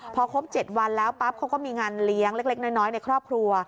พอครบ๗วันแล้วปั๊บเขาก็มีงานเลี้ยงเล็กน้อยในครอบครัว